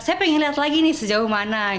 saya pengen lihat lagi nih sejauh mana